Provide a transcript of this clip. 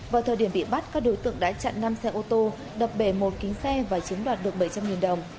vào thời điểm bị bắt các đối tượng đã chặn năm xe ô tô đập bể một kính xe và chiếm đoạt được bảy trăm linh đồng